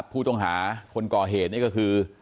ผู้ต้องหาคนก่อเหตุนี่ก็คือ